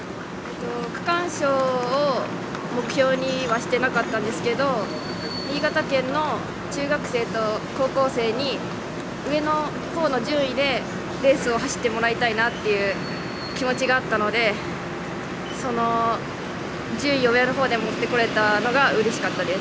区間賞を目標にはしていなかったんですけども新潟県の中学生と高校生に上の方の順位でレースを走ってもらいたいなという気持ちがあったので順位を上の方に持ってこれたのがうれしかったです。